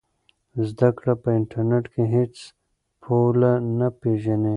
زده کړه په انټرنیټ کې هېڅ پوله نه پېژني.